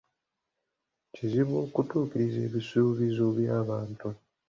Kizibu okutuukiriza ebisuubizo by'abantu.